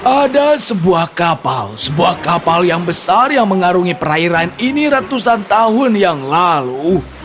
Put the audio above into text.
ada sebuah kapal sebuah kapal yang besar yang mengarungi perairan ini ratusan tahun yang lalu